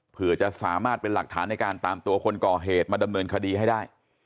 เพื่อจะสามารถเป็นหลักฐานในการตามตัวคนก่อเหตุมาดำเนินคดีให้ได้